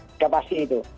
tidak pasti itu